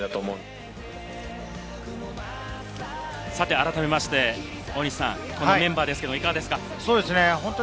改めまして大西さん、このメンバー、いかがですか？